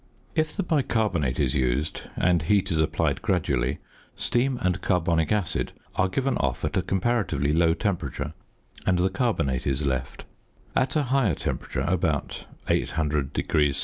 If the bicarbonate is used, and heat is applied gradually, steam and carbonic acid are given off at a comparatively low temperature, and the carbonate is left; at a higher temperature (about 800° C.